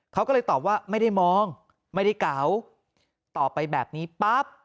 เขาก็เลยตอบว่าไม่ได้มองไม่ได้เก๋าตอบไปแบบนี้ปั๊บ